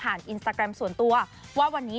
อินสตาแกรมส่วนตัวว่าวันนี้